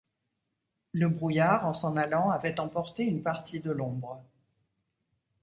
Le brouillard, en s’en allant, avait emporté une partie de l’ombre.